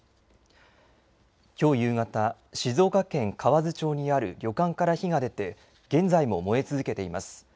きょう夕方、静岡県河津町にある旅館から火が出て、現在も燃え続けています。